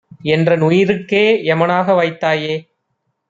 என்றனுயி ருக்கே எமனாக வாய்த்தாயே!